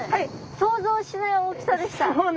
想像しない大きさでした！